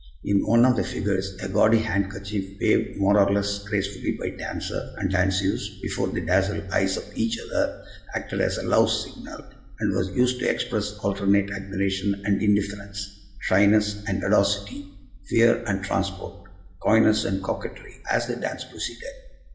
In one of the figures a gaudy handkerchief, waved more or less gracefully by dancer and danseuse before the dazzled eyes of each other, acted as love's signal, and was used to express alternate admiration and indifference, shyness and audacity, fear and transport, coyness and coquetry, as the dance proceeded.